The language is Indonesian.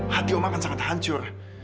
hati umar kan sangat hancur